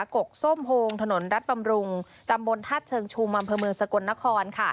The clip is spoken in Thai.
กกส้มโฮงถนนรัฐบำรุงตำบลธาตุเชิงชุมอำเภอเมืองสกลนคร